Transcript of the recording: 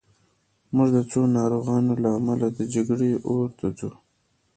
موږ د څو ناروغانو له امله د جګړې اور ته ځو